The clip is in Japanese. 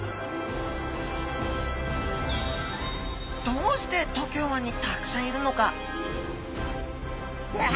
どうして東京湾にたくさんいるのか？